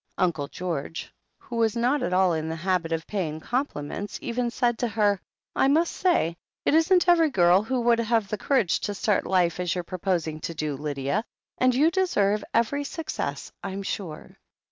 THE HEEL OF ACHILLES 89 Unde George, who was not at all in the habit of paying compliments, even said to her : "I must say, it isn't every girl who would have the courage to start life as you're proposing to do, Lydia, and you deserve every success, I'm sure."